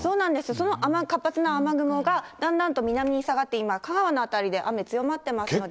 その活発な雨雲がだんだんと南に下がって今、かわなの辺りで雨強くなっていますので。